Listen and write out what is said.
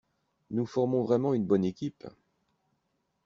Nous formons vraiment une bonne équipe.